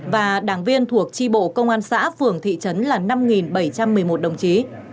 và đảng viên thuộc tri bộ công an xã phường thị trấn là năm bảy trăm một mươi một đồng chí